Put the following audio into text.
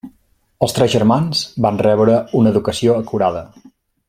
Els tres germans van rebre una educació acurada.